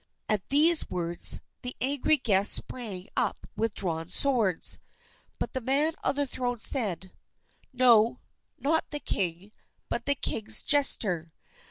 At these words the angry guests sprang up with drawn swords, but the man on the throne said, "No, not the king, but the king's jester.